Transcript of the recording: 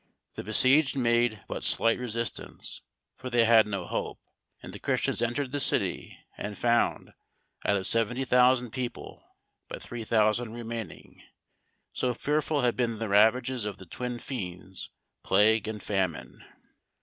The besieged made but slight resistance, for they had no hope, and the Christians entered the city, and found, out of seventy thousand people, but three thousand remaining: so fearful had been the ravages of the twin fiends, plague and famine.